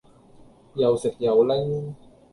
又食又拎